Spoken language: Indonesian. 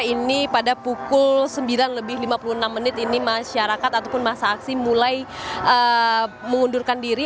ini pada pukul sembilan lebih lima puluh enam menit ini masyarakat ataupun masa aksi mulai mengundurkan diri